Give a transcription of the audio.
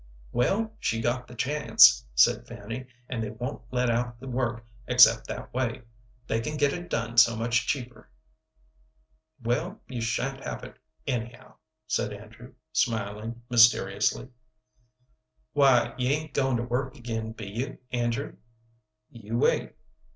"Well, she got the chance," said Fanny, "and they won't let out the work except that way; they can get it done so much cheaper." "Well, you sha'n't have it, anyhow," said Andrew, smiling mysteriously. "Why, you ain't goin' to work again, be you, Andrew?" "You wait."